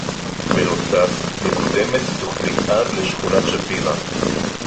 בנוסף מקודמת תוכנית-אב לשכונת-שפירא